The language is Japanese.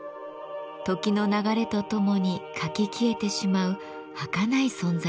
時の流れとともにかき消えてしまうはかない存在です。